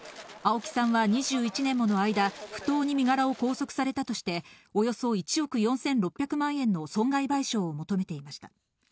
青木さんは２１年もの間、不当に身柄を拘束されたとして、およそ１億４６００万円の損害賠償を求めていました。